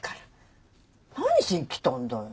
何しに来たんだよ！